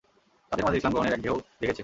তাদের মাঝে ইসলাম গ্রহণের এক ঢেউ জেগেছে।